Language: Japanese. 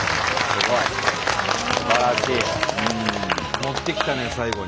持ってきたね最後に。